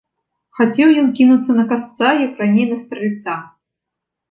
Хацеў ён кінуцца на касца, як раней на стральца.